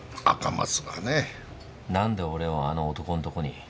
何で俺をあの男んとこに？